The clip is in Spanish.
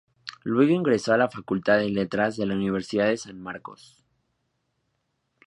Luego ingresó a la Facultad de Letras de la Universidad de San Marcos.